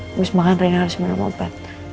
habis makan rena harus minum obat